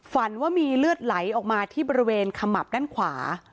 ฝันว่ามีเลือดไหลออกมาที่บริเวณขมับด้านขวา